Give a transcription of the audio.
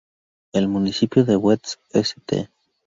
El municipio de West St.